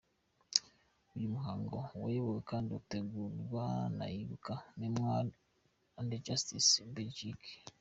Uyu muhango wayobowe kandi utegurwa na Ibuka Mémoire & Justice –Belgique.